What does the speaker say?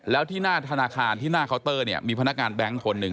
แล้วที่หน้าธนาคารที่หน้าเคาน์เตอร์เนี่ยมีพนักงานแบงค์คนหนึ่ง